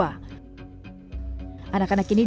anak anak ini dirawat karena menderita penyakit jiwa